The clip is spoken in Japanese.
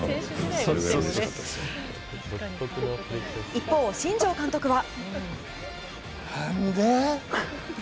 一方、新庄監督は。